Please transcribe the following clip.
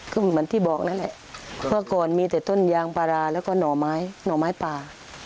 เพราะเมื่อก่อนมีแต่โทนยางปราแล้วก็หน่อไม้หน่อไม้ป่า